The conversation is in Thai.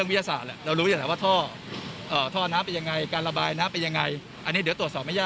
ว่าเราจะทำยังไงได้บ้างอาจารย์